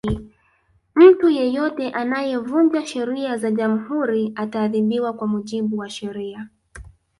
mtu yeyote anayevunja sheria za jamhuri ataadhibiwa kwa mujibu wa sheria